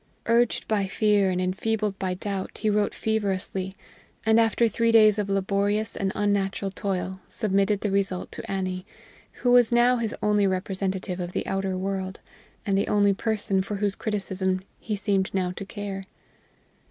Urged by fear and enfeebled by doubt, he wrote feverously, and, after three days of laborious and unnatural toil, submitted the result to Annie, who was now his only representative of the outer world, and the only person for whose criticism he seemed now to care.